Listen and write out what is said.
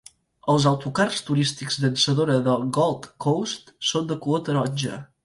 Els autocars turístics llançadora de Gold Coast són de color taronja.